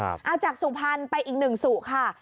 เอาจากสู่พันธุ์ไปอีกหนึ่งสู่ค่ะ